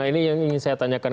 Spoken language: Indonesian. nah ini yang ingin saya tanyakan